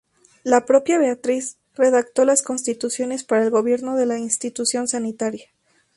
La propia Beatriz redactó las Constituciones para el gobierno de la institución sanitaria.